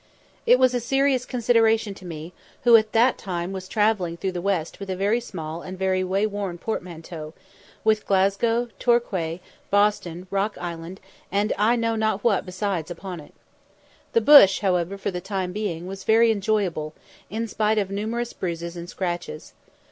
It was a serious consideration to me, who at that time was travelling through the West with a very small and very wayworn portmanteau, with Glasgow, Torquay, Boston, Rock Island, and I know not what besides upon it. The bush, however, for the time being, was very enjoyable, in spite of numerous bruises and scratches.